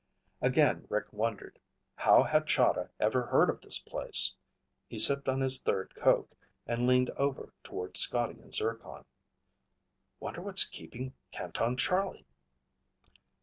Again Rick wondered. How had Chahda ever heard of this place? He sipped on his third coke and leaned over toward Scotty and Zircon. "Wonder what's keeping Canton Charlie?"